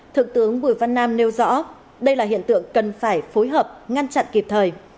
thượng tướng bùi văn nam nêu rõ đây là hiện tượng cần phải phối hợp ngăn chặn kịp thời